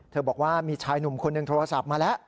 บอกว่ามีชายหนุ่มคนหนึ่งโทรศัพท์มาแล้ว